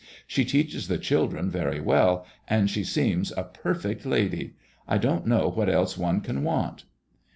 She teaches the children very well, and she seems a per fect lady. I don't know what else one can want."